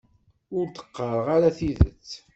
Ur d-qqareɣ ara tidet.